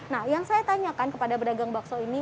nah yang saya tanyakan kepada pedagang bakso ini